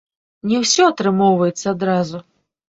Не ўсё атрымоўваецца адразу.